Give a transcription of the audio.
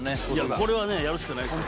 これはねやるしかないですよ